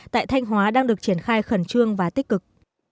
tại thanh hóa đang được triển khai khẩn trương và tích cực